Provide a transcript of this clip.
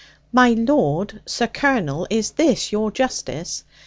'My lord, Sir Colonel, is this your justice!